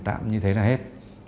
tạm như thế là hết